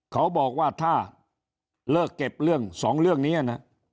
เขาบอกว่าถ้าเลิกเก็บเรื่องสองเรื่องนี้นะ